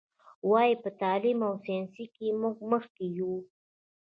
وایي: په تعلیم او ساینس کې موږ مخکې یو.